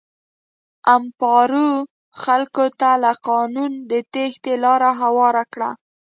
امپارو خلکو ته له قانونه د تېښتې لاره هواره کړه.